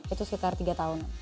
itu sekitar tiga tahun